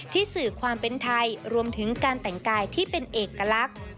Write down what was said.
สื่อความเป็นไทยรวมถึงการแต่งกายที่เป็นเอกลักษณ์